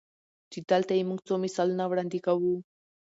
چې دلته ئې مونږ څو مثالونه وړاندې کوو-